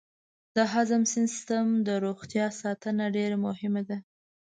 د هضمي سیستم روغتیا ساتنه ډېره مهمه ده.